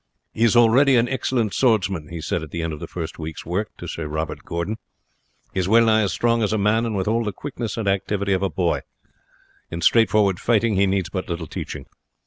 "He is already an excellent swordsman," he said at the end of the first week's work to Sir Robert Gordon; "he is well nigh as strong as a man, with all the quickness and activity of a boy. In straightforward fighting he needs but little teaching.